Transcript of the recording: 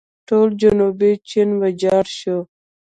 ټول جنوبي چین ویجاړ شو.